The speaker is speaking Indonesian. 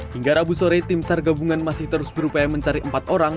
hingga rabu sore tim sar gabungan masih terus berupaya mencari empat orang